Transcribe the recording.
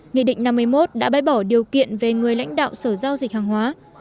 nghị định năm mươi một đã bãi bỏ điều kiện về người lãnh đạo sở giao dịch hàng hóa